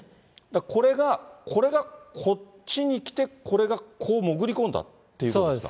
これが、これがこっちに来て、これがこう潜り込んだっていうことですか。